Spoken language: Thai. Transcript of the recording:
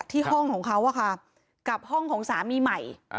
ห้องของเขากับห้องของสามีใหม่